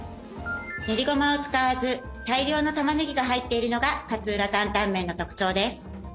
ねりごまを使わず大量のタマネギが入っているのが勝浦タンタンメンの特徴です。